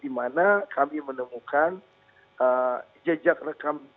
di mana kami menemukan jejak rekam